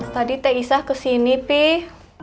tadi teh isa kesini pih